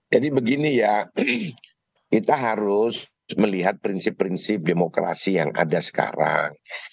jadi begini ya kita harus melihat prinsip prinsip demokrasi yang ada sekarang